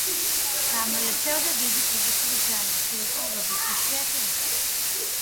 გამოირჩეოდა დიდი ფიზიკური ძალით, შეუპოვრობით, იშვიათი ოსტატობით.